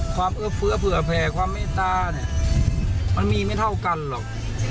ความเอื้อเฟื้อเผลอแผ่ความแม่ตามันมีไม่เท่ากันหรอก